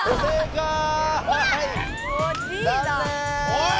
おい！